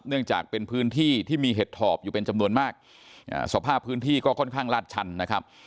เนื่องจากเป็นพื้นที่ที่มีเห็ดถอบอยู่เป็นจำนวนมากอ่าสภาพพื้นที่ก็ค่อนข้างลาดชันนะครับ